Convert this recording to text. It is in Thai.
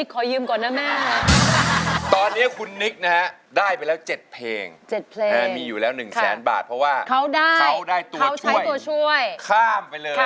คือให้คุณแม่หมดเลยครับ